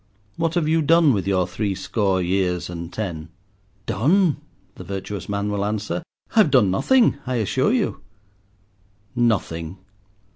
What have you done with your three score years and ten?" "Done!" the virtuous man will answer, "I have done nothing, I assure you." "Nothing!"